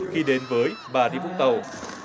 khi đến với bà đi vũng tàu